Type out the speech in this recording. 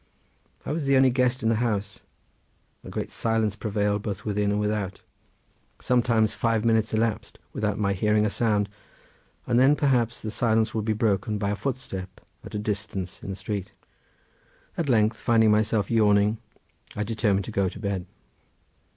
I was the only guest in the house; a great silence prevailed both within and without; sometimes five minutes elapsed without my hearing a sound, and then perhaps the silence would be broken by a footstep at a distance in the street—at length finding myself yawning I determined to go to bed.